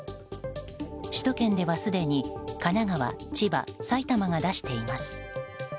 首都圏ではすでに、神奈川、千葉埼玉が出しています。